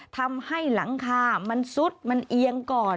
ทำให้หลังคามันซุดมันเอียงก่อน